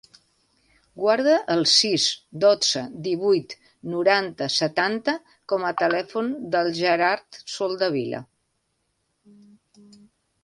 Guarda el sis, dotze, divuit, noranta, setanta com a telèfon del Gerard Soldevila.